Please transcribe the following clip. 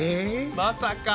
まさか！